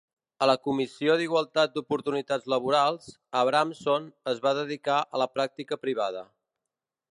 A la Comissió d'Igualtat d'Oportunitats Laborals, Abramson es va dedicar a la pràctica privada.